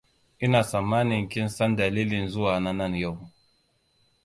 Ina tsammanin kin san dalilin zuwa na nan yau.